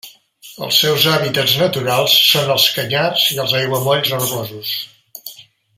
Els seus hàbitats naturals són els canyars i els aiguamolls herbosos.